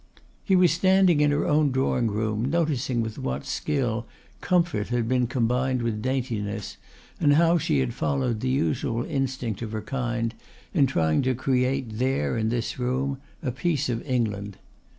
He was standing in her own drawing room, noticing with what skill comfort had been combined with daintiness, and how she had followed the usual instinct of her kind in trying to create here in this room a piece of England.